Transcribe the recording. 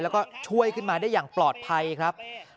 แล้วก็ช่วยขึ้นมาได้อย่างปลอดภัยครับ